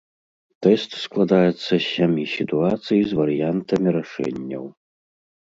Тэст складаецца з сямі сітуацый з варыянтамі рашэнняў.